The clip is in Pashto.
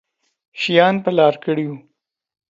شیان پر لار کړي وو.